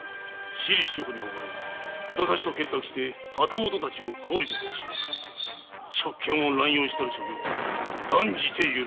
私利私欲におぼれ札差と結託して旗本たちを高利で苦しめ職権を乱用したる所業断じて許さん。